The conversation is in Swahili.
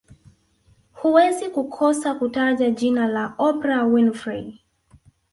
Hauwezi kukosa kutaja jina la Oprah Winfrey